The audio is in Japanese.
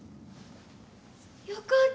よかった！